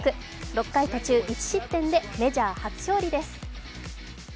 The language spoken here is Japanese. ６回途中１失点でメジャー初勝利です。